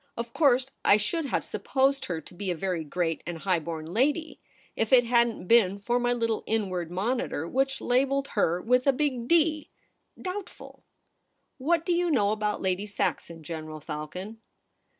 Of course I should have supposed her to be a very great and high born lady, if it hadn't been for my little inward monitor which labelled her with a big '' D," Doubtful. What do you know about Lady Saxon, General Falcon